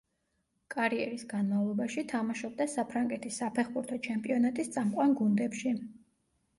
კარიერის განმავლობაში თამაშობდა საფრანგეთის საფეხბურთო ჩემპიონატის წამყვან გუნდებში.